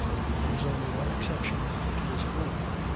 There was only one exception to this rule.